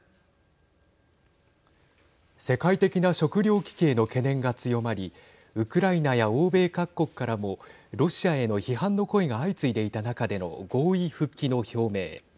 世界的な食料危機への懸念が強まりウクライナや欧米各国からもロシアへの批判の声が相次いでいた中での合意復帰の表明。